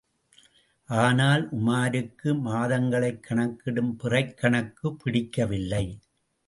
ஆனால், உமாருக்கு மாதங்களைக் கணக்கிடும் பிறைக் கணக்குப் பிடிக்கவில்லை.